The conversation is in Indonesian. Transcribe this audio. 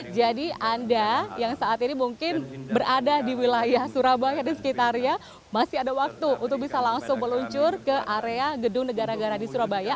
jadi anda yang saat ini mungkin berada di wilayah surabaya dan sekitarnya masih ada waktu untuk bisa langsung meluncur ke area gedung negara negara di surabaya